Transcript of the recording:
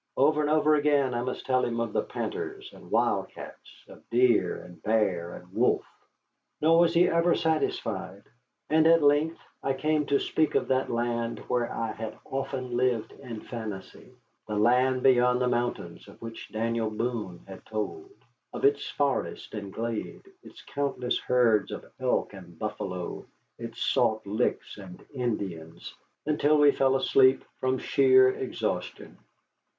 Over and over again I must tell him of the "painters" and wildcats, of deer and bear and wolf. Nor was he ever satisfied. And at length I came to speak of that land where I had often lived in fancy the land beyond the mountains of which Daniel Boone had told. Of its forest and glade, its countless herds of elk and buffalo, its salt licks and Indians, until we fell asleep from sheer exhaustion.